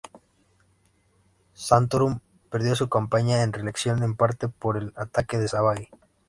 Santorum perdió su campaña de reelección en parte por el ataque de Savage.